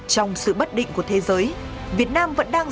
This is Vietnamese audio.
trong sự bất định của thế giới việt nam vẫn đang